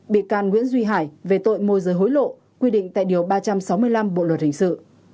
bị can nguyễn duy hải về tội môi giới hối lộ quy định tại điều ba trăm sáu mươi năm bộ luật hình sự